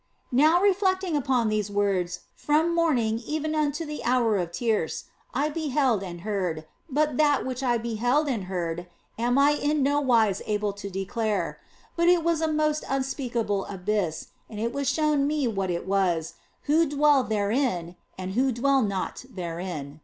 Now reflecting upon these words from morning even until the hour of tierce, I beheld and heard, but that which I beheld and heard am I in no wise able to declare. But it was a most unspeakable abyss, and it was shown me what it was, who dwelt therein and who dwelt not therein.